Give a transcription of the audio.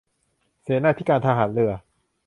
เสนาธิการทหารเรือ